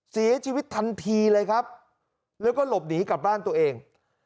เสียชีวิตทันทีเลยครับแล้วก็หลบหนีกลับบ้านตัวเอง